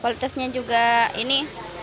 kualitasnya juga ini